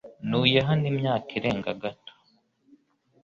Ntuye hano imyaka irenga gato .